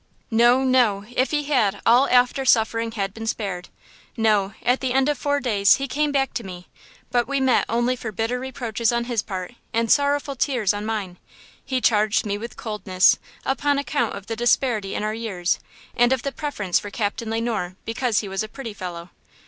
"No, no! if he had all after suffering had been spared. No! at the end of four days he came back to me; but we met only for bitter reproaches on his part and sorrowful tears on mine. He charged me with coldness, upon account of the disparity in our years, and of the preference for Captain Le Noir, because he was a pretty fellow.'